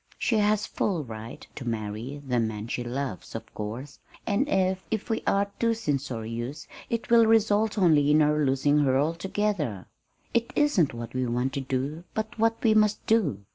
She has full right to marry the man she loves, of course, and if if we are too censorious, it will result only in our losing her altogether. It isn't what we want to do, but what we must do.